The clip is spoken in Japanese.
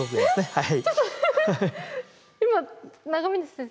はい。